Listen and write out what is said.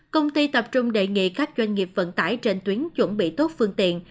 công ty tập trung đề nghị các doanh nghiệp vận tải trên tuyến chuẩn bị tốt phương tiện